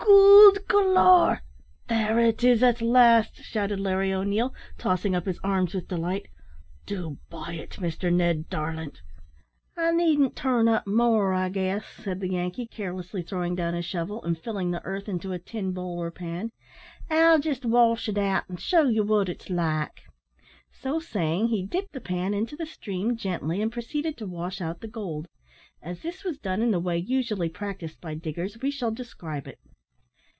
goold galore! there it is at last!" shouted Larry O'Neil, tossing up his arms with delight. "Do buy it, Mr Ned, darlint." "I needn't turn up more, I guess," said the Yankee, carelessly throwing down his shovel, and filling the earth into a tin bowl or pan; "I'll jest wash it out an' shew ye what it's like." So saying he dipped the pan into the stream gently, and proceeded to wash out the gold. As this was done in the way usually practised by diggers, we shall describe it.